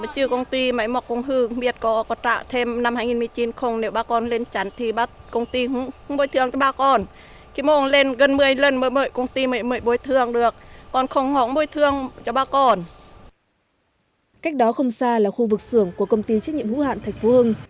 cách đó không xa là khu vực xưởng của công ty trách nhiệm hữu hạn thạch phương